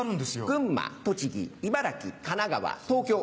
群馬栃木茨城神奈川東京。